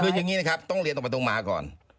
คืออย่างนี้นะครับต้องเรียนตรงไปตรงมาก่อน